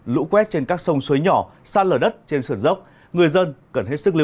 lũ quét trên các sông suối nhỏ xa lở đất trên sườn dốc